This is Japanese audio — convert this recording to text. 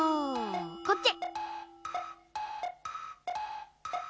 こっち！